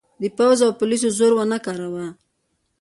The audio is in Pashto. د پوځ او پولیسو زور ونه کاراوه.